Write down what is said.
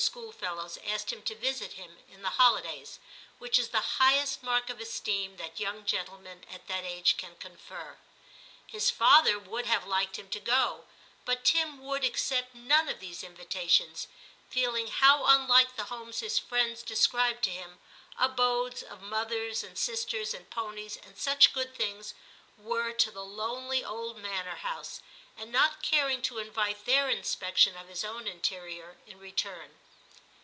schoolfellows asked him to visit him in the holidays, which is the highest mark of esteem that young gentlemen at that age can confer. His father would have liked him to go, but Tim would accept none of these invitations, feeling how unlike the homes his friends de scribed to him — abodes of mothers and sisters and ponies, and such good things — were to the lonely old manor house, and not caring to invite their inspection of his own interior in return.